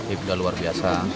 ibda luar biasa